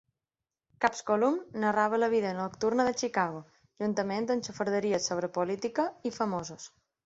"Kup's Column" narrava la vida nocturna de Chicago, juntament amb xafarderies sobre política i famosos.